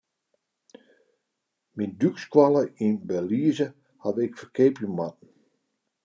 Myn dûkskoalle yn Belize haw ik ferkeapje moatten.